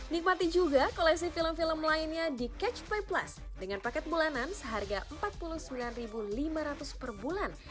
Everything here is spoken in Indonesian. nikmati juga koleksi film film lainnya di catch play plus dengan paket bulanan seharga rp empat puluh sembilan lima ratus per bulan